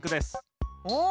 お！